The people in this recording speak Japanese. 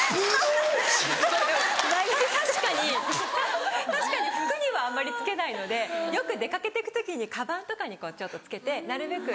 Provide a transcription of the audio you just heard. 確かに確かに服にはあんまり着けないのでよく出掛けてく時にかばんとかにこうちょっと着けてなるべく。